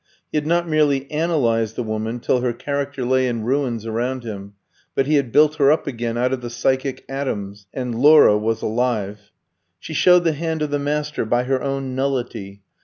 He had not merely analysed the woman till her character lay in ruins around him, but he had built her up again out of the psychic atoms, and Laura was alive. She showed the hand of the master by her own nullity.